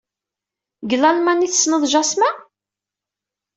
Deg Lalman ay tessneḍ Jasmin?